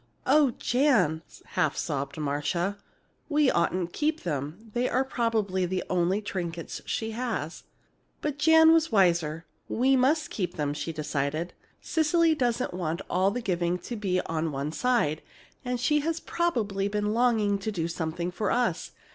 "Oh, Jan!" half sobbed Marcia; "we oughtn't to keep them! They're probably the only trinkets she has." But Janet was wiser. "We must keep them," she decided. "Cecily doesn't want all the giving to be on one side, and she has probably been longing to do something for us.